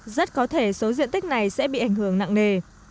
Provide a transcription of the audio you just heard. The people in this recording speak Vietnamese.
rất có thể số diện tích này sẽ bị ảnh hưởng nặng nề